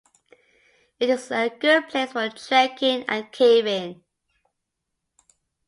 It is a good place for trekking and caving.